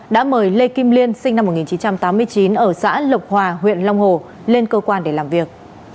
đã mời lê kim liên sinh năm một nghìn chín trăm tám mươi chín ở xã lộc hòa huyện long hồ lên cơ quan để làm việc